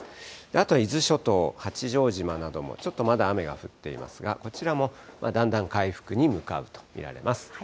あと伊豆諸島、八丈島などもちょっとまだ雨が降っていますが、こちらもだんだん回復に向かうと見られます。